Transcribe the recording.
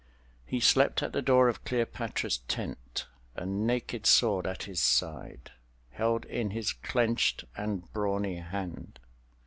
He slept at the door of Cleopatra's tent, a naked sword at his side, held in his clenched and brawny hand.